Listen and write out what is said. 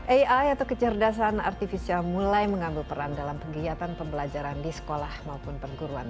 ai atau kecerdasan artifisial mulai mengambil peran dalam kegiatan pembelajaran di sekolah maupun perguruan